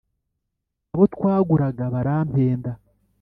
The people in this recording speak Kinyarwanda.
abo twaguraga barampenda